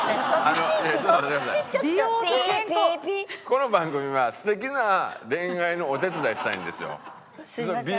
この番組は素敵な恋愛のお手伝いしたいんですよ。